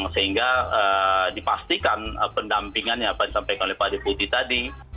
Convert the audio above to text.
sehingga dipastikan pendampingannya apa yang disampaikan oleh pak deputi tadi